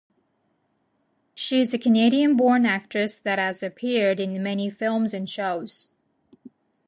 She is a Canadian born actress that has appeared in many films and shows.